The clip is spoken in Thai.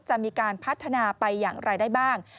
จะมีการพัฒนาไปอย่างไรได้บ้าง